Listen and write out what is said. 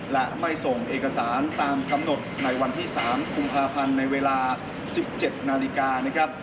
และไม่ส่งเอกสารตามกำหนดในวันที่๓กุมภาพันธ์ในเวลา๑๗นาฬิกานะครับ